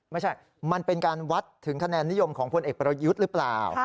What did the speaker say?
มันเป็นการวัดถึงคะแนนนิยมของพลเอกประยุทธ์หรือเปล่า